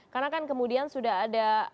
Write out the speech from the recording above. karena kan kemudian sudah ada